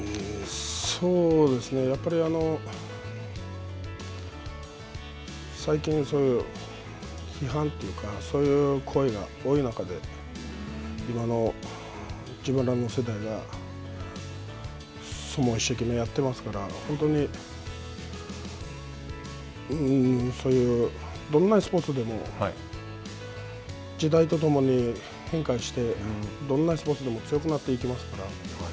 やっぱり最近、そういう批判というかそういう声が多い中で自分らの世代が相撲を一生懸命やってますからどんなスポーツでも時代とともに変化してどんなスポーツでも強くなっていきますから。